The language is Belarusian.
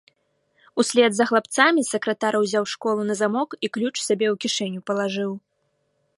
Услед за хлапцамі сакратар узяў школу на замок і ключ сабе ў кішэню палажыў.